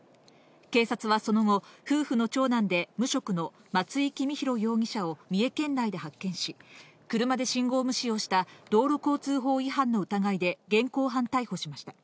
警察はその後、夫婦の長男で無職の松井公宏容疑者を三重県内で発見し、車で信号無視をした道路交通法違反の疑いで現行犯逮捕しました。